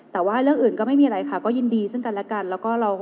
แต่ว่าเรื่องอื่นก็ไม่มีอะไรค่ะก็ยินดีซึ่งกันและกัน